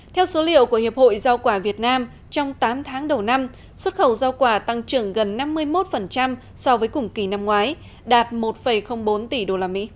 theo số liệu của hiệp hội rau quả việt nam trong tám tháng đầu năm xuất khẩu rau quả tăng trưởng gần năm mươi một so với cùng kỳ năm ngoái đạt một bốn tỷ usd